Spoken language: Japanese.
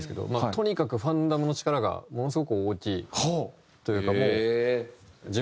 とにかくファンダムの力がものすごく大きいというか。